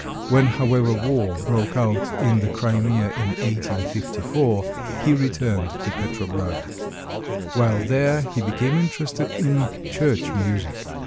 When, however, war broke out in the Crimea in 1854, he returned to Petrograd. While there he became interested in church music.